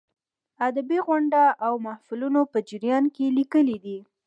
ادبي غونډو او محفلونو په جریان کې یې لیکلې دي.